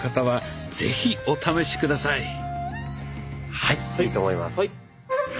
はい。